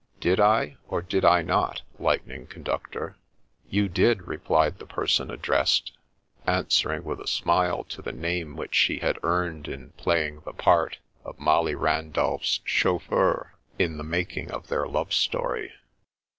Did I, or did I not, Lightning Conductor ?"" You did," replied the person addressed, answer ing with a smile to the name which he had earned in playing the part of Molly Randolph's chauffeur, in the making of their love story.